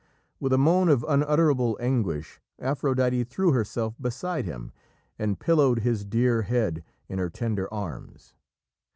With a moan of unutterable anguish, Aphrodite threw herself beside him, and pillowed his dear head in her tender arms.